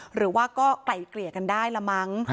หรือว่าก็ไกล่เกลี่ยกันได้ละมั้ง